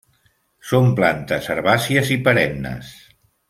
Són plantes herbàcies i perennes.